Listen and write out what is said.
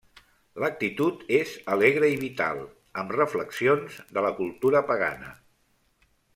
L'actitud és alegre i vital, amb reflexions de la cultura pagana.